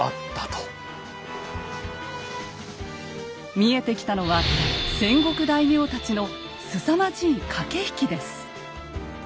見えてきたのは戦国大名たちのすさまじい駆け引きです。